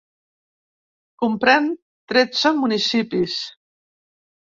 Comprèn tretze municipis.